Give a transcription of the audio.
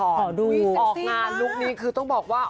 ออกงานลุคนี้คือต้องบอกว่า